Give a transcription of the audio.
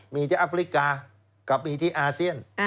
มีที่อัฟริกากับมีที่อาเซียน